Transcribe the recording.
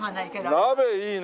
鍋いいね。